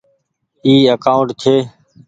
اي اڪآونٽ ڇي۔